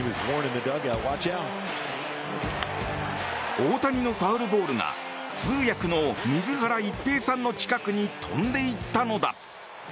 大谷のファウルボールが通訳の水原一平さんの近くに飛んでいったのだ。